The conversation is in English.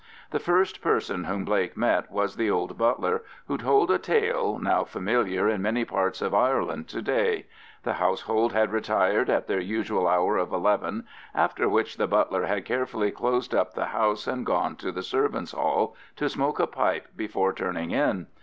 The first person whom Blake met was the old butler, who told a tale now familiar in many parts of Ireland to day. The household had retired at their usual hour of eleven, after which the butler had carefully closed up the house and gone to the servants' hall to smoke a pipe before turning in.